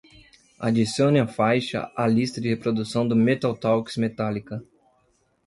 Adicione a faixa à lista de reprodução do Metal Talks Metallica.